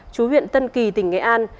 chú huyện tân kỳ tỉnh nghệ an